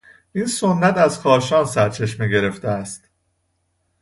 این سنت از کاشان سرچشمه گرفته است.